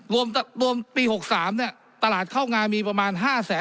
รวมปี๖๓เนี่ยตลาดเข้างานมีประมาณ๕แสน